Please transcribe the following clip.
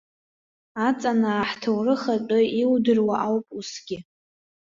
Аҵанаа ҳҭоурых атәы иудыруа ауп усгьы.